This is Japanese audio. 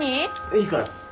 いいから。